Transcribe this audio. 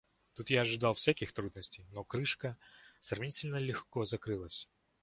Тут я ожидал всяких трудностей, но крышка сравнительно легко закрылась.